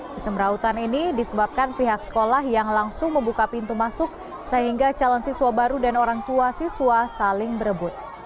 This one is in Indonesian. kesemrautan ini disebabkan pihak sekolah yang langsung membuka pintu masuk sehingga calon siswa baru dan orang tua siswa saling berebut